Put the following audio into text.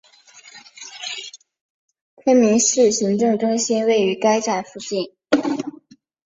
昆明市行政中心位于该站附近。